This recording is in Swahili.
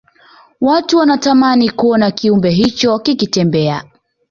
watu wanatamani kuona kiumbe hicho kikitembea